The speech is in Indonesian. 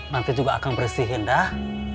nanti juga akang bersihin dah